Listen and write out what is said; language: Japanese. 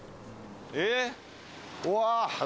えっうわぁ。